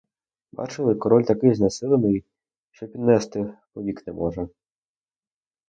Бачили, король такий знесилений, що й піднести повік не може.